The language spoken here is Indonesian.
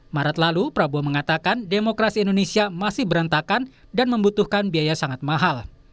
maret lalu prabowo mengatakan demokrasi indonesia masih berantakan dan membutuhkan biaya sangat mahal